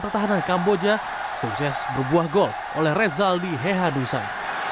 pertahanan kamboja sukses berbuah gol oleh rezaldi hehadusan